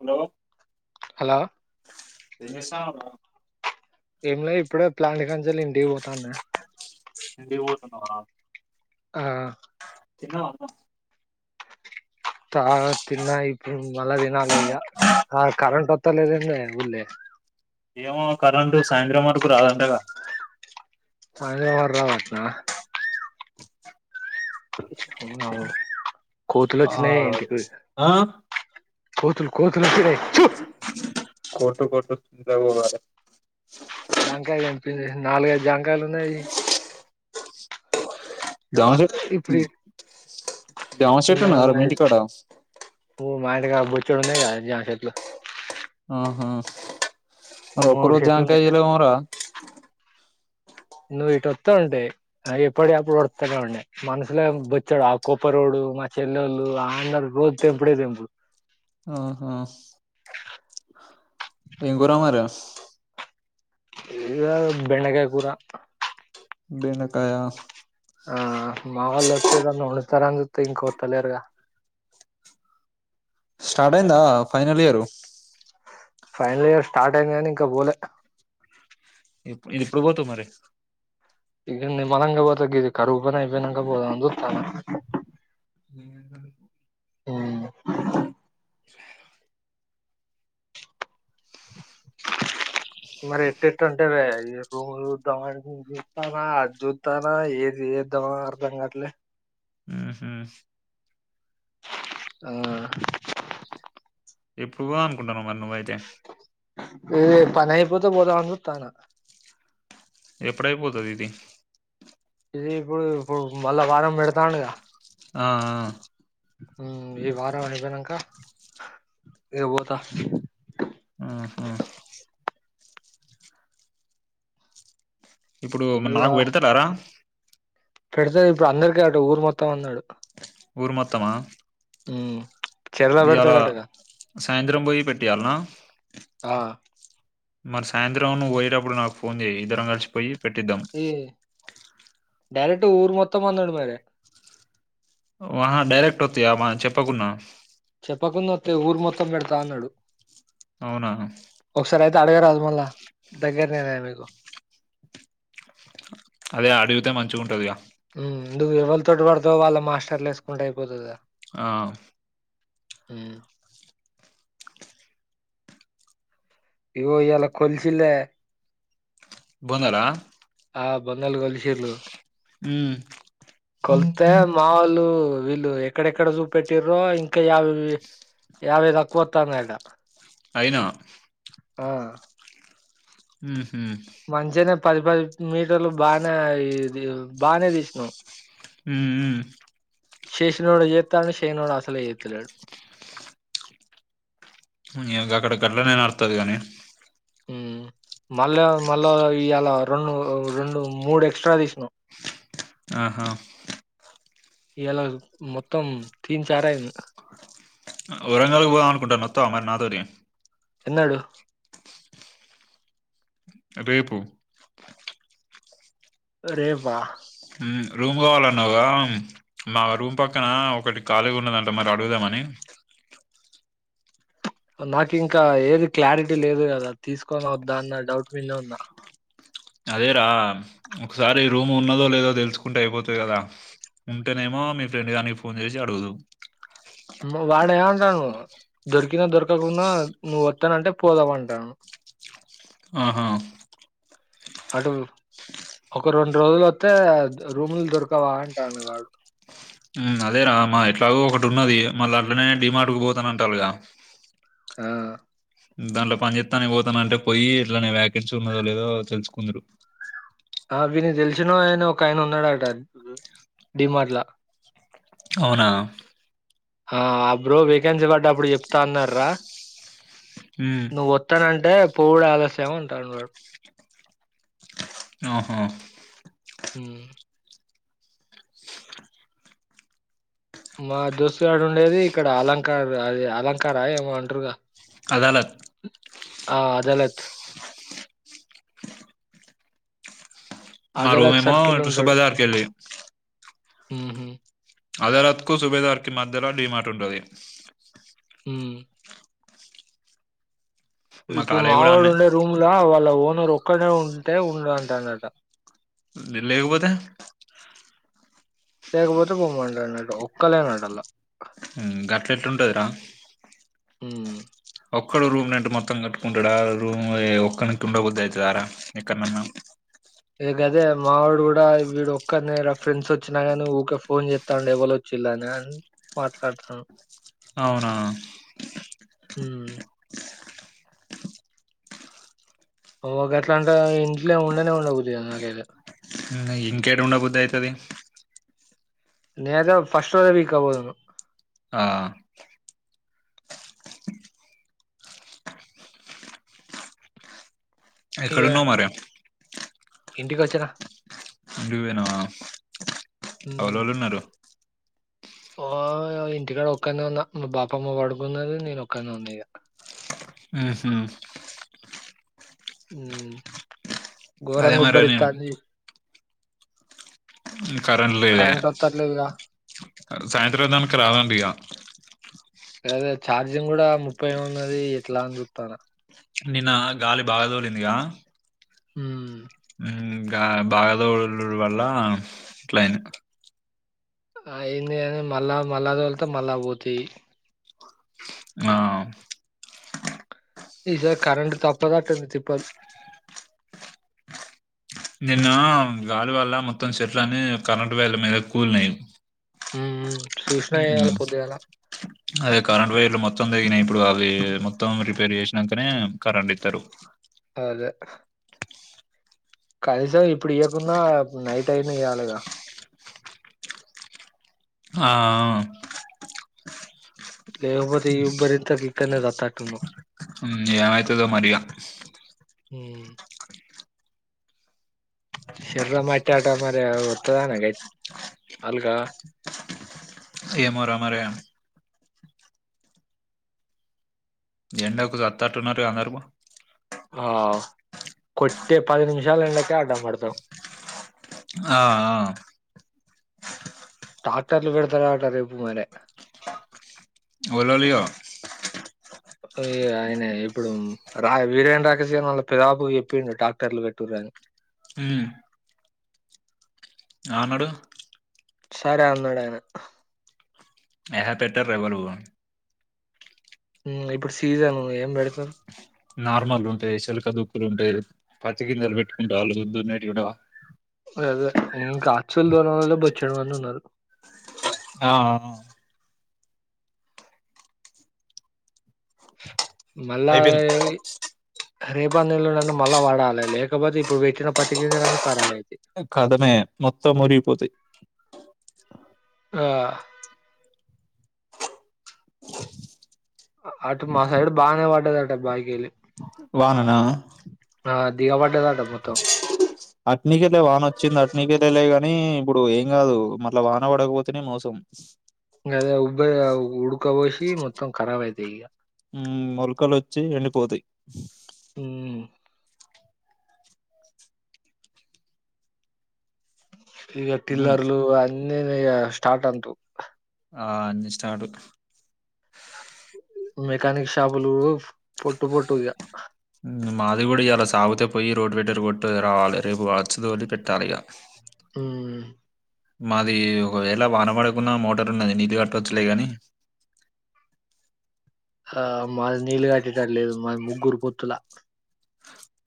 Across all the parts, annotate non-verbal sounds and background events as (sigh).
Hello. ఆ ఏం చేస్తావు అన్న ఏమి లే ఇప్పుడే ప్లాంటి కానించి ఇంటికి పోతాన్నా ఇంటికి పోతున్నావా ఆ తినవా ఆ తిన్న ఇప్పుడు మల తినాలే ఇగ ఆ కరెంట్ వ స్తలేదేంటి ఏమో కరెంటు సాయంత్రం వరకు రాదంటగా సాయంత్రం వరకు రాదంటాన అవును కోతులు ఆ వచ్చినాయి ఇంటికి పైన ఆ కోతులు కోతులు వచ్చినాయి (inaudible) జామకాయలు తెంపింది నాలుగైదు జామకాయలు ఉన్నాయి జామ చెట్టు ఇప్పుడి జామ చెట్టు ఉన్నాయి ఉన్నదారా మీ ఉన్నాయి ఇంటికాడ మా ఇంటిగాడ బోచుడువునైగా జామ చెట్లు ఆహ మూడు ఒకరోజు చెట్లు ఉన్నాయి జామకాయ ఇయవెమోరా నువ్వు ఇటు వత్తే ఉంటాయి ఆ ఎప్పుడ అప్పుడు వస్తానే ఉంటాయి మనసులో బచ్చాడు ఆ కోప్ప రోడు మా చెల్లెళ్ళు ఆ అన్న రోజు తెంపుడే తెంపుడు ఆహా ఏం కూర మరి ఈరోజు బెండకాయ కూర బెండకాయ ఆ మావల్ వాతేదన వండుతారనీ చుతే ఇంకా వాతలేదుగా స్టార్ట్ అయిందా final year final year start అయింది కానీ ఇంకా పోలే ఎప్పు ఇది ఎప్పుడు పోతావు మరి ఇది నిమరంగ పోతే గీది కరువు పని అయిపోయినకా పోదామని చూతనా ఏం ఏం ఆ మరి ఎట్ ఎట్ అంటరే ఈ రూమ్ చూద్దాం చూస్తానా అది చూద్దానా ఏది ఏందో అర్థంకట్లా ఉహ్మ్ ఆ ఎప్పుడు పోదాం అనుకుంటున్నా మరి నువ్వయితే ఏ పని అయిపోతే పోదాం అని చూతనా ఎప్పుడయిపోతదీ దీ ఇది ఇప్పుడు ఇప్పుడు మళ్ళా వారం పెడతాండుగా ఆ హ ఈ వారం అయిపోయినక ఇక పోత ఆహా ఇప్పుడు నాకు పెడతలారా పెడత ఇప్పుడు అందరిక ఆ ఊరు మొత్తం అన్నాడు ఊరు మొత్తమా ఉమ్ ఇయాలా సాయంత్రం పోయి పెట్టియాలనా ఆ మరి సాయంత్రం నువ్వు పోయ్యేటప్పుడు నాకు ఫోన్ చేయ్ ఇద్దరం కలిసిపోయి పెట్టిద్దాం ఈ డైరెక్ట్ ఊరు మొత్తం వందడు మరి వాహ డైరెక్ట్ వత్తయా మ చెప్పకున్నా చెప్పకుండా వత్తయ్ ఊరు మొత్తం పెడతా అన్నాడు అవునా సరె అయితే అడగ రాదు మళ్ళ దగ్గర ననా మీకు అదే అడిగితే మంచిగ ఉంటదిగా ఎందుకు ఎవరి తోటి పడితే వాళ్ళ మాస్టర్లు ఏసుకుంటే అయిపోతదా ఆ ఉ ఇగో ఇయాలా కొల్సిందే బోందల ఆ బంధలు కలిసిర్లు ఉమ్. కొలిత్తే మా వాలు వీళ్ళు ఎక్కడెక్కడ చూపెట్టిరో ఇంకా యావై యావై తక్కువతాన్నాయడట అయినా ఆ ఉహు మంచిగానే పది పది మీటర్లు బానే బానే తీసినాం ఊఉ శేషినోడు జేత్తాండు శేయనోడు అసలే ఎత్తలేడు ఇ అక్కడ గట్ల నేను ఆడతది గానీ ఉమ్ మళ్ళా మళ్ళా ఇయాలా రెండు రెండు మూడు ఎక్స్ట్రా తీసినం ఆహా ఇయాలా మొత్తం తీన్సార అయింది వరంగల్కి పోదాం అనుకుంటాన నొత్తావ మరి నాతోటి ఎన్నడు రేపు రేపా రూమ్ కావాలన్నాగా మా రూమ్ పక్కన ఒకటి ఖాళీగా ఉన్నదంటే మరి అడుగుదామని అ నాకు ఇంకా ఏది క్లారిటీ లేదు కదా తీసుకొని వద్దా అన్న డౌట్ మీదే ఉన్నా అదేరా ఒకసారి రూమ్ ఉన్నదో లేదో తెలుసుకుంటే అయిపోతుంది కదా ఉంటేనేమో మీ ఫ్రెండ్ గానికి ఫోన్ చేసి అడుగుదు వ దొరికినా దొరకకుండా నువ్వు వత్తానంటే పోదావ అంటాను ఆహా అరు ఒక రెండు రోజులు వత్తే రూములు దొరకవా అంటాండు వాడు అదే రా మా ఎట్లాగో ఒకటి ఉన్నది మళ్ళీ అట్నే డిమార్ట్కు పోతాన అంటారుగా ఆ దాంట్లో పని చేత్తాను పోతాన అంటే పోయి ఎట్లనే వ్యాకెన్సీ ఉన్నదో లేదో తెలుసుకుందురు ఆ వినికి తెలిసిన ఆయన ఒక ఆయన ఉన్నాడు అట డిమాట్లా అవునా ఆ అ బ్రో వేకెన్సీ పడ్డప్పుడు చెప్తా అన్నాడురా ఉమ్, నువ్వు వతనంటే పోవుడే ఆలస్యం అంటండువాడు ఓహో ఉమ్ మా దోస్తుగాడు ఉండేది ఇక్కడ అలంకారా అది అలంకార ఏమో అంటారుగా అదాలత్ ఆ అదాలత్ మా అదాలత్ రూమ్యేమో సర్కిల్ ఇట్లా సు ఉంటడు. బజారుకెళ్లి హుహు. అధరాత్ కు సుబేదార్ కి మధ్యలో డీమార్ట్ ఉంటది ఉమ్ మా ఇప్పుడు కాలేజ్ కూడా మావాడు అన్నే ఉండే రూమ్లో వాళ్ళ ఓనర్ ఒక్కడనే ఉంటే ఉండంటండట లేకపోతే లేకపోతే పోమంటనాడు ఒక్కలేనడలా ఉమ్ గట్లెట్ల ఉంటదిరా ఉమ్ ఒక్కడు రూమ్ రెంట్ మొత్తం కట్టుకుంటాడా రూమ్ ఒక్కడినికి ఉండ బుద్ధి అయితదారా ఎక్కడన ఇది అదే మా వాడు కూడా వీడు ఒక్కనే ఫ్రెండ్స్ వచ్చినా గాని ఊకే ఫోన్ చేస్తాండి ఎవరు వచ్చిరా అని ఆన్ మాట్లాడతాడు అవునా ఉమ్ ఒక ఎట్లంటే ఇంట్లో ఉండనే ఉండబుద్ధి కాదు నాకైతే ఇంకేడ ఉండబుది అయితది నేను అయితే ఫస్ట్ రోజు ఎల్లకపోదును ఆ ఎక్కడ ఉన్నావ్ మరి ఇంటికొచ్చిన ఇంటికి పోయినవా ఎవరు ఎవరు ఉన్నారు ఆ ఇంటికాడ ఒక్కనే ఉన్నా మా బాపేమో పడుకున్నది నేను ఒక్కనే ఉన్నా ఇగ ఉహ్మ్ ఉమ్ అదే గోరంగ మరి నేను ఉబ్బరితంది కరెంట్ లేద సాయంత్రం దానాకా రాదట ఇగ అదే ఛార్జింగ్ కూడా ముప్పై ఉన్నది ఎట్లా అని చుతనా నిన్న గాలి బాగాదోలిందిగా ఉమ్ ఉమ్ బాగదోళ వల్ల అట్లయిందీ అయింది అని మళ్ళా మళ్ళ తోళతే మళ్ళా పోతియి ఆ ఈసారి కరెంట్ తప్పదటది తిప్పల్ నిన్న గాలి వల్ల మొత్తం చెట్లని కరెంట్ వైర్ల మీదకి కులినై ఉమ్, చూసినా వేయాలి పొద్దుగాల అదే కరెంట్ వేర్లు మొత్తం తెగినయి ఇప్పుడు అవి మొత్తం రిపేర్ చేసినకనే కరెంట్ ఇతరు అదే కనీసం ఇప్పుడు ఇవ్వకుండా నైట్ అయిన ఇయాలిగా ఆ లేకపోతే ఈ ఇబ్బరింతాకి ఇక్కనే సతాటు ఉన్నం ఏమైతదో మరిగా ఉ శరీరా మా అయితే ఆట మరి వత్తదానా అల్గా ఏమో రా మరి ఎండకు సత్త అట్టున్నారుగ అందరూ ఆ కొట్టే పది నిమిషాలు ఎండకు అడ్డం పడతాం ఆ ట్రాక్టర్లు పెడతారట రేపు మరే ఎవలి లియ ఆయనే ఇప్పుడు రా వీరేంద రాకేష్ వాళ్ళ పెదాబాపు చెప్పిండు ట్రాక్టర్లు పెట్టుర్రు అని ఉ ఆ అన్నడు సరే అన్నాడు ఆయన ఏ పెట్టర్ ఎవరు ఉ ఇప్పుడు సీజను ఏం పెడతావ్ నార్మల్ ఉంటాయి చిలక దుక్కులు ఉంటాయి పత్తి గింజలు పెట్టుకుంటా వాళ్ళు దున్నేటివి కూడా అదే కాట్లు తొలె వాళ్ళు బొచ్చెడు మంది ఉన్నారు ఆ మళ్ళ అయిపోయింది రేపన్న ఎల్లుండిన్న మళ్ళా పడాలే లేకపోతే ఇప్పుడు పెట్టిన పత్తి గింజలన్నీ ఖరాబ్ అయి కథమే మొత్తం మురిగిపోతాయి ఆ అటు మా సైడ్ బాగానే పడ్డది అట బాకి వెళ్ళి వానా దిగబడ్డదట మొత్తం అటనికే వాన వచ్చింద నీకైతేలే గాని ఇప్పుడు ఏం గాదు మట్ల వాన పడకపోతేనే మోసం అదే ఉబ్బ ఉడ్క పొషి మొత్తం ఖరాబ్ అయిద్ది ఈగ మొలకలు వచ్చి ఎండిపోతాయి హూ ఈగ ఉమ్ టీల్లర్లు అన్నే స్టార్ట్ అంటవ్ ఆ అన్నీ స్టార్ట్ డు మెకానిక్ షాపులు పొట్టు పొట్టుగా ఉమ్, మాది కూడా ఇయాలా సాగుతే పోయి రోడ్డు పెడ కొట్టు రావాలి రేపు వచ్చి దోలి పెట్టాలి ఇగ హు మాది ఒకవేళ వాన పడుకున్న మోటార్ ఉన్నది నీళ్ళు కట్టచ్చలే కాని ఆ మాది నీళ్ళు కట్టేటట్ లేదు మాది ముగ్గురు పొత్తుల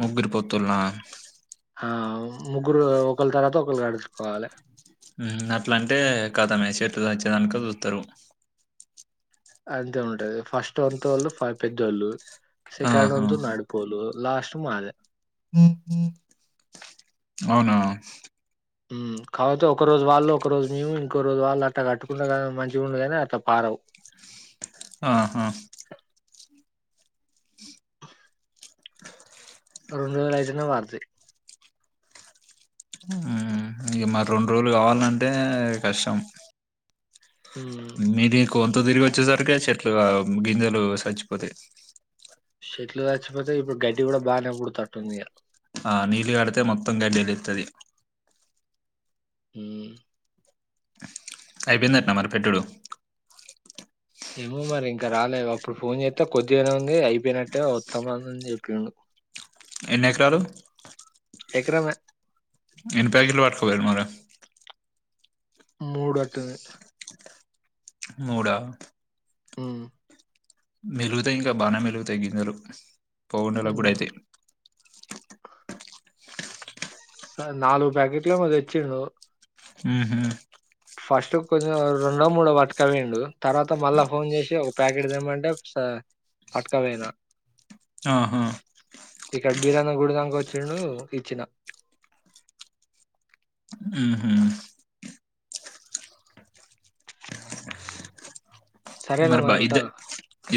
ముగ్గురు పోత్తుల్లనా ఆ ముగ్గురు ఒకళ్ళ తర్వాత ఒకరు గడుచుకోవాలె అట్ల అంటే కదమ్మే చెట్లు వచ్చేదంక చూతారు అంతే ఉంటది ఫస్ట్ వంతోళ్ళు పెద్దోళ్ళు సెకండ్ ఆహా! వంతు నడుపొలు లాస్ట్ మాదే అవునా కాకపోతే ఒక రోజు వాళ్ళు ఒకరోజు మేము ఇంకో రోజు వాళ్ళు అట్ట కట్టుకుంట కాని మంచి ఉండగానే అట్లా పారవు. ఆహా రొండువేల ఐదున్న మార్తయ్ ఊమ్ ఇగ మరి రొండ్రోజ్లు కావాల్నంటే కష్టం ఊమ్ కొంత దిరిగొచ్చేసర్కె చెట్లు అ గింజెలు సచ్చిపోతయ్ షెట్లు సచ్చిపోతయ్ ఇప్పుడు గడ్డి గూడ బానే బుడుతాంటుందిగ ఆ నీల్లుగాడితే మొత్తం గడ్డిలేత్తది ఊమ్ అయ్పెయిందట్న మరి పెట్టుడు ఏమొ మరింక రాలే ఇగొ అప్పుడ్ ఫోన్ జేత్తే కొద్దిగనె ఉంది అయ్పెయినట్టె వొత్తమనిన్ జెప్పిండు ఎన్నెక్రాలు ఎకరమె ఎని ప్యాకిట్లు పట్కొపొయ్రు మరి మూడు అట్టుంది మూడా ఊమ్ మెలుగుతాయింక బానే మెలుగుతాయ్ గింజలు పోగుండెల హ్మ్. గుడైతయ్ సా నాలుగు ప్యాకెట్లేమొ దెచ్చిండు ఊహు ఫస్ట్ కొంచం రెండొ మూడొ పట్టుక పొయ్ండు తర్వాత మళ్ళ ఫోన్ జేషి ఒక ప్యాకిట్ దెమ్మంటె ఒక్స పట్కవెయ్నా ఆహా ఇక్కడ బీరన్న గుడిదంకొచ్చిండూ ఇచ్చిన ఊహూ సరేనా మరి బైద్దె ఉంటానా.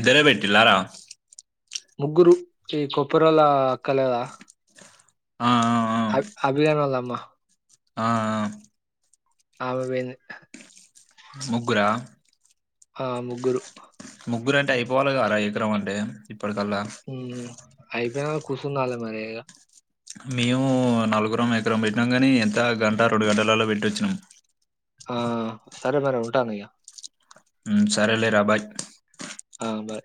ఇద్దరే పెట్టిల్లార ముగ్గురు ఇ కొప్పరొళ్ళ అక్క లేదా ఆ అ అబ్ అభిగానొల్లమ్మ ఆ! ఆ! ఆమె పెయ్ంది ముగ్గురా ఆ ముగ్గురు ముగ్గురంటె ఐపోవాలె గదర ఎకరమంటె ఇప్పటికల్ల ఐపెయ్నాక కుసుందాల మరె ఇగ మేమూ నలుగురం ఎకరం బెట్నాం గానీ ఎంత గంట రెండు గంటలల్ల పెట్టొచ్చినం ఆ సరె మరి ఉంటానిగ ఉమ్ సరేలెర బాయ్ ఆ బాయ్